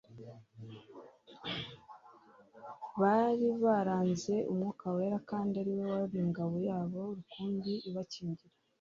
bari baranze Umwuka wera kandi ari we wari ingabo yabo rukumbi ibakingira.